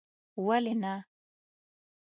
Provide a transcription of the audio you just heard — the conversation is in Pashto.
ولي نه